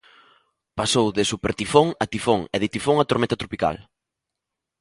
Pasou de supertifón a tifón, e de tifón a tormenta tropical.